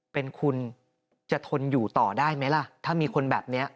เป็นคุณจะทนอยู่ต่อได้ไหมล่ะถ้ามีคนแบบนี้